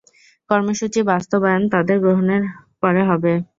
কর্মসূচি বাস্তবায়ন তাদের গ্রহণের পরে হবে।